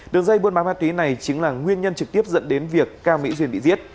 đường dây buôn bán ma túy này chính là nguyên nhân trực tiếp dẫn đến việc cao mỹ duyên bị giết